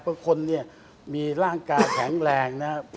เพราะคนมีร่างกายแข็งแรงนะ